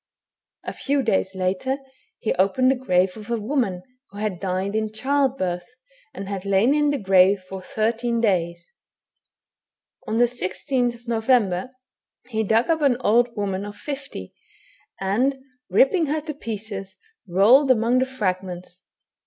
A few days later, he opened the grave of a woman who had died in childbirth, and THE HUMAN HYiENA. 269 had lain in the grave for thirteen days. On the 16th November, he dug up an old woman of fifty, and, ripping her to pieces, rolled among the fragments.